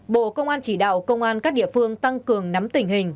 bộ công an chỉ đạo công an các địa phương tăng cường nắm tình hình